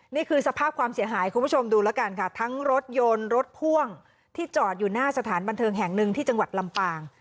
นี่คือสภาพความเสียหายคุณผู้ชมดูแล้วกันค่ะทั้งรถยนต์รถพ่วงที่จอดอยู่หน้าสถานบันเทิงแห่งหนึ่งที่จังหวัดลำปาง